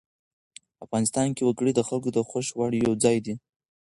افغانستان کې وګړي د خلکو د خوښې وړ یو ځای دی.